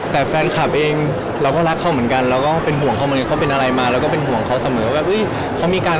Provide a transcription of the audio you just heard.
แต่แฟนคลับเองเราก็รักเขาเหมือนกัน